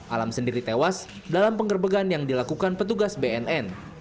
alam sendiri tewas dalam penggerbegan yang dilakukan petugas bnn